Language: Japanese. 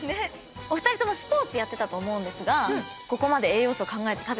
お二人ともスポーツやってたと思うんですがここまで栄養素考えて食べてました？